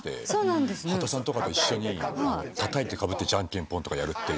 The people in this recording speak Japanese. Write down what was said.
秦さんとかと一緒にたたいてかぶってじゃんけんぽんとかをやる。